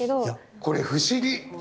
これ不思議！